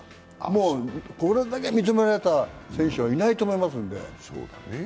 もうこれだけ認められた選手はいないと思いますので。